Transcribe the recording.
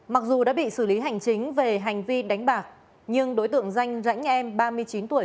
mặc dù đã bị xử lý hành chính về hành vi đánh bạc nhưng đối tượng danh rãnh em ba mươi chín tuổi